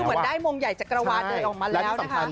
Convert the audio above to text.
เหมือนได้มงใหญ่จักรวาลเดินออกมาแล้วนะคะ